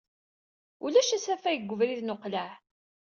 Ulac asafag deg ubrid n uqlaɛ.